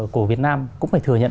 của việt nam cũng phải thừa nhận